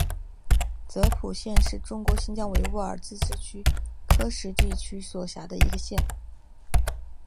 泽普县是中国新疆维吾尔自治区喀什地区所辖的一个县。